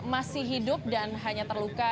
masih hidup dan hanya terluka